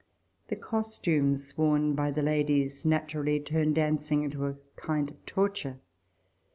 The costumes worn by the ladies naturally turned dancing into a kind of torture.